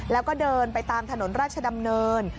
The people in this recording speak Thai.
แล้วก็เดินไปตามถนนราชดำเนิน